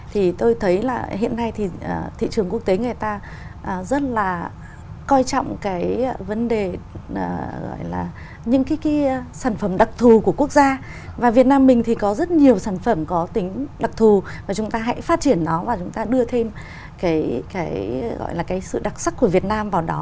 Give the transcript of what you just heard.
thì tôi thấy là hiện nay thì thị trường quốc tế người ta rất là coi trọng cái vấn đề gọi là những cái sản phẩm đặc thù của quốc gia và việt nam mình thì có rất nhiều sản phẩm có tính đặc thù và chúng ta hãy phát triển nó và chúng ta đưa thêm cái gọi là cái sự đặc sắc của việt nam vào đó